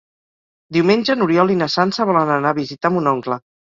Diumenge n'Oriol i na Sança volen anar a visitar mon oncle.